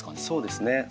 そうですね。